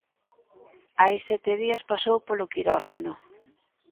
Hai sete días pasou polo quirófano.